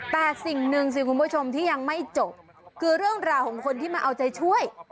แต่สิ่งหนึ่งสิคุณผู้ชมที่ยังไม่จบคือเรื่องราวของคนที่มาเอาใจช่วย